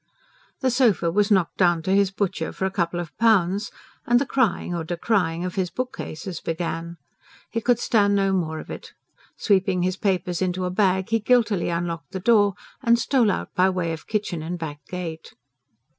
The sofa was knocked down to his butcher for a couple of pounds, and the crying or decrying of his bookcases began. He could stand no more of it. Sweeping his papers into a bag, he guiltily unlocked the door and stole out by way of kitchen and back gate.